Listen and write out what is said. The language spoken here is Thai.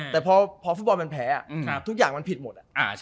แต่พอฟุตบอลมันแพ้ทุกอย่างมันผิดหมด